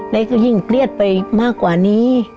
และก็ยิ่งเครียดไปมากกว่านี้